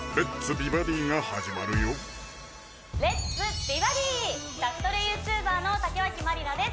美バディ」宅トレＹｏｕＴｕｂｅｒの竹脇まりなです